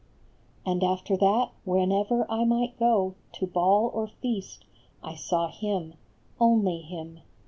And after that, whenever I might go To ball or feast, I saw him, only him